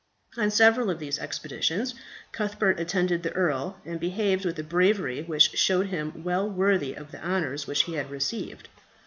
On several of these expeditions Cuthbert attended the earl, and behaved with a bravery which showed him well worthy of the honours which he had received.